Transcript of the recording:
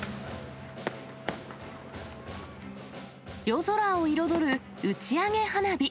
夜空を彩る打ち上げ花火。